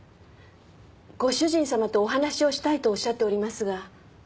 ご主人様とお話をしたいとおっしゃっておりますが。